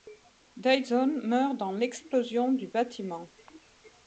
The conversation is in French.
Dyson meurt dans l'explosion du bâtiment.